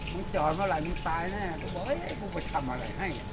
มึงจอดเมื่อไหร่มึงตายแน่บอกว่าเอ๊ะพี่ไปทำอะไรให้